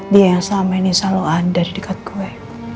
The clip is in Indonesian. dia yang selama ini selalu ada di dekat gue